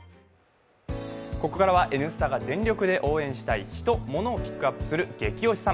ここからは「Ｎスタ」が全力で応援したい、人、ものをピックアップするゲキ推しさん。